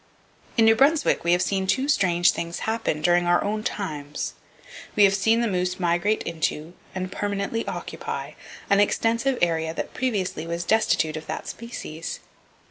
In New Brunswick we have seen two strange things happen, during our own times. We have seen the moose migrate into, and permanently occupy, an extensive area that previously was destitute of that species.